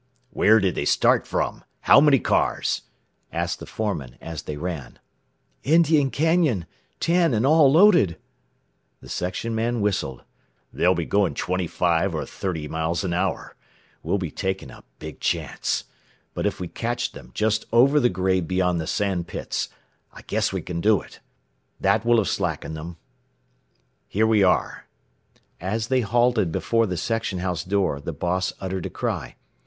"Where did they start from? How many cars?" asked the foreman as they ran. "Indian Canyon. Ten, and all loaded." The section man whistled. "They'll be going twenty five or thirty miles an hour. We will be taking a big chance. But if we can catch them just over the grade beyond the sand pits I guess we can do it. That will have slackened them. "Here we are." As they halted before the section house door the boss uttered a cry.